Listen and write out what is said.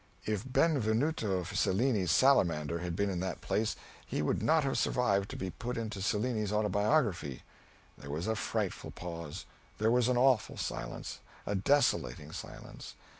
If Benvenuto Cellini's salamander had been in that place he would not have survived to be put into Cellini's autobiography. There was a frightful pause. There was an awful silence, a desolating silence.